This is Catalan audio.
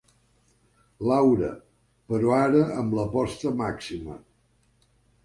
Laura—, però ara amb l'aposta màxima.